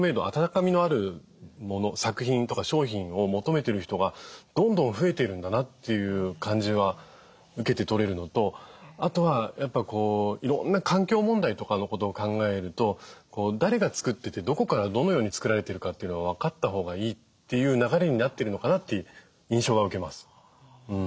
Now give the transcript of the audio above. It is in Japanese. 温かみのあるもの作品とか商品を求めてる人がどんどん増えてるんだなという感じは受けて取れるのとあとはやっぱいろんな環境問題とかのことを考えると誰が作っててどこからどのように作られてるかというのは分かったほうがいいっていう流れになってるのかなって印象は受けます。